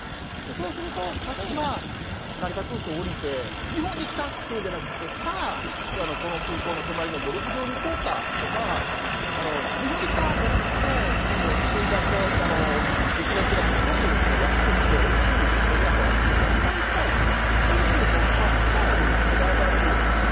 そうすると、例えば成田空港におりて日本に来たというのではなくてさあこの空港の隣のゴルフ場に行こうかとか日本に来たじゃなくて今度、新橋の駅の近くにすごく安くておいしい飲み屋さんを見つけたからそこに行きたいというふうに素直に捉えられるようになった。